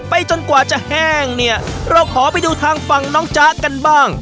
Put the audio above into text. จนกว่าจะแห้งเนี่ยเราขอไปดูทางฝั่งน้องจ๊ะกันบ้าง